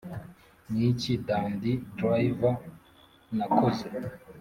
niki dandy drive nakoze